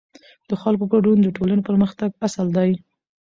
د خلکو ګډون د ټولنې پرمختګ اصل دی